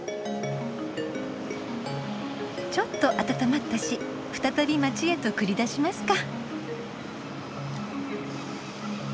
ちょっと温まったし再び街へと繰り出しますか。